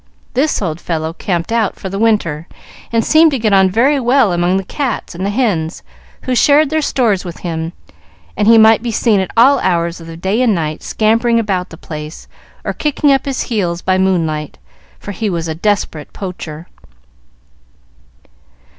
This old fellow camped out for the winter, and seemed to get on very well among the cats and the hens, who shared their stores with him, and he might be seen at all hours of the day and night scampering about the place, or kicking up his heels by moonlight, for he was a desperate poacher.